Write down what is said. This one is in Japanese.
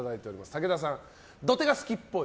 武田さん、土手が好きっぽい。